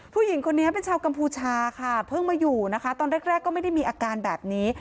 ผู้หญิงคนนี้เป็นชาวกัมพูชาค่ะเพิ่งมาอยู่นะคะตอนแรกก็ไม่ได้มีอาการแบบนี้